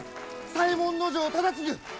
左衛門尉忠次！